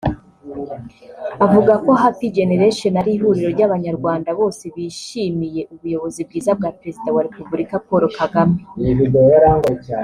Avuga ko Happy Generation ari ihuriro ry’abanyarwanda bose bishimiye ubuyobozi bwiza bwa Perezida wa Repubulika Paul Kagame